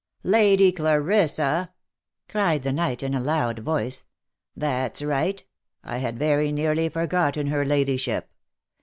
" Lady Clarissa !" cried the knight in a loud voice. " That's right ! I had very nearly forgotten her ladyship.